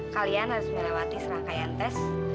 kalian harus melewati serangkaian tes